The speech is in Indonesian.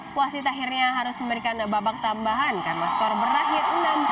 kuasit akhirnya harus memberikan babak tambahan karena skor berakhir enam puluh satu enam puluh satu